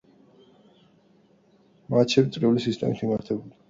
მატჩები წრიული სისტემით იმართება.